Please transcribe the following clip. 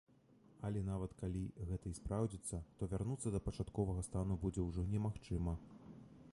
Але нават калі гэта і спраўдзіцца, то вярнуцца да пачатковага стану будзе ўжо немагчыма.